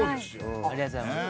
ありがとうございます。